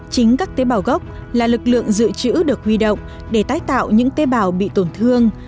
chính các tế bào gốc là lực lượng dự trữ được huy động để tái tạo những tế bào bị tổn thương